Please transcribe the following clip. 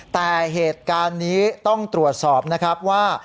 แต่เหตุการณ์นี้ต้องตรวจสอบนะครับว่า